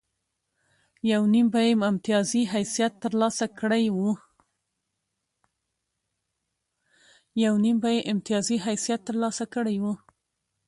یو نیم به یې امتیازي حیثیت ترلاسه کړی و.